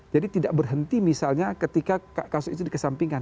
jadi tidak berhenti misalnya ketika kasus itu dikesampingkan